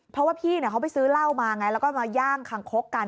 เพราะว่าพี่เขาไปซื้อเหล้ามาไงแล้วก็มาย่างคังคกกัน